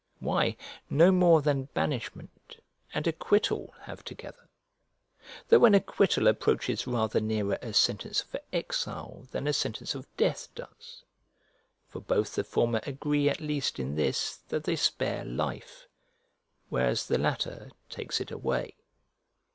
Why, no more than banishment and acquittal have together. Though an acquittal approaches rather nearer a sentence of exile than a sentence of death does: for both the former agree at least in this that they spare life, whereas the latter takes it away.